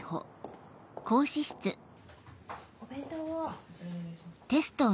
お弁当を。